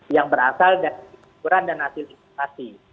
yang berasal dari ukuran dan hasil investasi